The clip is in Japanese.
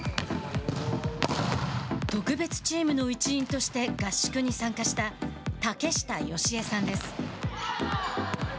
特別チームの一員として合宿に参加した竹下佳江さんです。